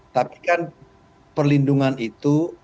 tapi kan perlindungan itu